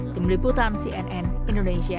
demi putam cnn indonesia